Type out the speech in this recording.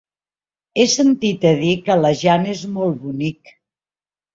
He sentit a dir que la Jana és molt bonic.